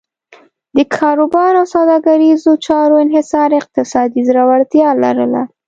د کاروبار او سوداګریزو چارو انحصار اقتصادي ځوړتیا لرله.